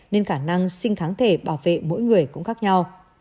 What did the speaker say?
nên khả năng sinh tháng thể bảo vệ mỗi người cũng khác nhau